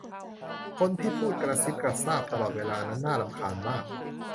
คนที่พูดกระซิบกระซาบตลอดเวลานั้นน่ารำคาญมาก